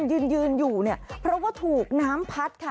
ยืนยืนอยู่เนี่ยเพราะว่าถูกน้ำพัดค่ะ